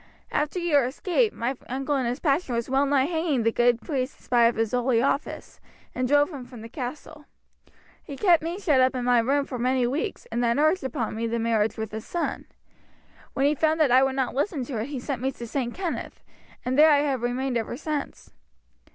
After your escape my uncle in his passion was well nigh hanging the good priest in spite of his holy office, and drove him from the castle. He kept me shut up in my room for many weeks, and then urged upon me the marriage with his son. When he found that I would not listen to it he sent me to St. Kenneth, and there I have remained ever since.